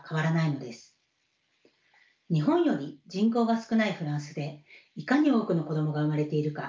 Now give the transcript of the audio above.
日本より人口が少ないフランスでいかに多くの子どもが生まれているか